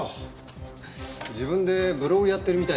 自分でブログやってるみたいですけど。